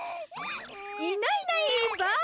いないいないばあ！